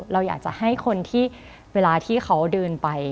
เราอยากจะให้คนที่เวลาที่เขาเดินไป